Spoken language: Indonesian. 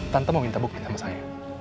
tante mau minta bukti sama saya